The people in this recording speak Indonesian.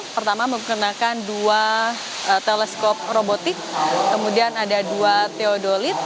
pertama menggunakan dua teleskop robotik kemudian ada dua teodolit